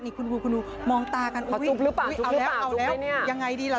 นี่คุณบูคุณดูมองตากันอุ้ยออุ้ยเอาแล้วอย่างไรดีล่ะ